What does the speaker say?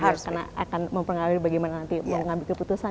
karena akan mempengaruhi bagaimana nanti mengambil keputusan